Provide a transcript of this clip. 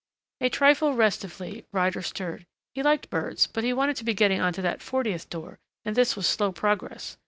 A trifle restively Ryder stirred. He liked birds but he wanted to be getting on to that fortieth door and this was slow progress.